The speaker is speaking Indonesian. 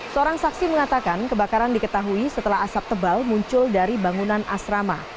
seorang saksi mengatakan kebakaran diketahui setelah asap tebal muncul dari bangunan asrama